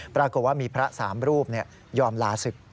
ปรากฏว่ามีพระ๓รูปยอมลาศึก